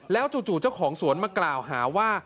แล้วจู่เจ้าของสวนมากล่าวหาว่า